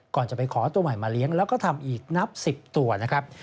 ก่อนจะไปขอตัวใหม่มาเลี้ยงแล้วก็ทำอีกนับ๑๐ตัวนะครับ